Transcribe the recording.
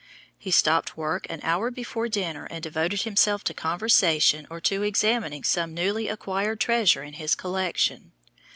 He stopped work an hour before dinner and devoted himself to conversation or to examining some newly acquired treasure in his collection.